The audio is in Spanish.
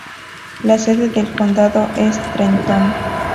La sede del condado es Trenton.